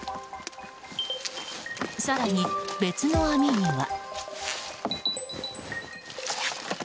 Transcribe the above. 更に別の網には。